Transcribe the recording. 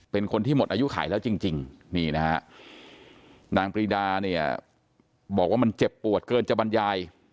เป็นคนที่หมดอายุขายแล้วจริงนี่นะฮะนางปรีดาเนี่ยบอกว่ามันเจ็บปวดเกินจะบรรยาย